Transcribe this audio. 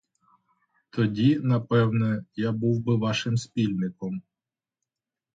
Тоді, напевне, я був би вашим спільником.